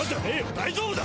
大丈夫だ！